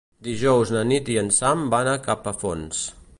Dijous na Nit i en Sam van a Capafonts.